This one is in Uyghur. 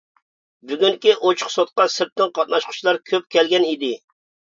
بۈگۈنكى ئوچۇق سوتقا سىرتتىن قاتناشقۇچىلار كۆپ كەلگەن ئىدى.